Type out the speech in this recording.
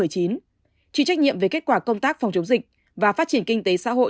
chịu trách nhiệm về kết quả công tác phòng chống dịch và phát triển kinh tế xã hội